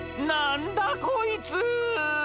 なんだこいつ！